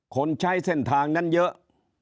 คนใช้เส้นทางนั้นเยอะ